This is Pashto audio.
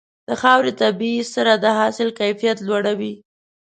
د خاورې طبيعي سرې د حاصل کیفیت لوړوي.